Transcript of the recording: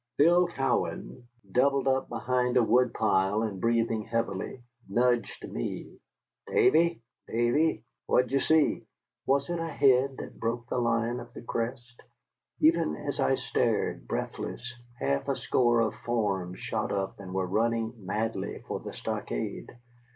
Bill Cowan, doubled up behind a woodpile and breathing heavily, nudged me. "Davy, Davy, what d'ye see!". Was it a head that broke the line of the crest? Even as I stared, breathless, half a score of forms shot up and were running madly for the stockade.